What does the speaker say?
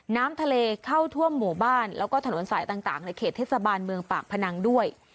น้ำทะเลเข้าท่วมหมู่บ้านแล้วก็ถนนสายต่างในเขตเทศบาลเมืองปากพนังด้วย